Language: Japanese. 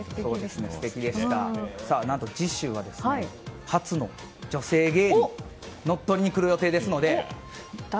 何と次週は初の女性芸人が乗っ取りに来る予定ですので。